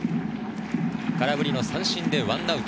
空振り三振で１アウト。